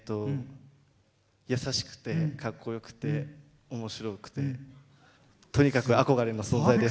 優しくて、かっこよくておもしろくてとにかく憧れの存在です。